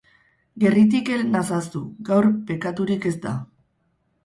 Gerritik hel nazazu, gaur bekaturik ez da.